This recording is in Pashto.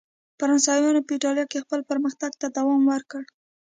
فرانسویانو په اېټالیا کې خپل پرمختګ ته دوام ورکړ.